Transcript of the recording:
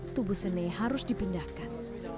tubuh sene harus dipindahkan